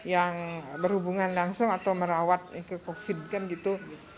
yang berhubungan langsung atau merawat covid kan gitu